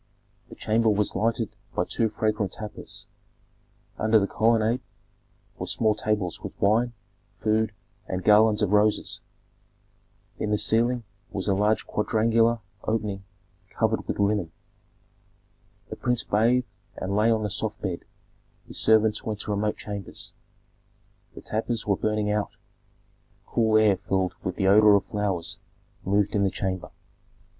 The chamber was lighted by two fragrant tapers; under the colonnade were small tables with wine, food, and garlands of roses. In the ceiling was a large quadrangular opening covered with linen. The prince bathed and lay on the soft bed; his servants went to remote chambers. The tapers were burning out; cool air filled with the odor of flowers moved in the chamber.